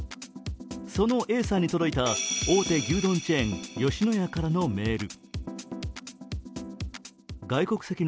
そのＡさんに届いた、大手牛丼チェーン、吉野家からのメール。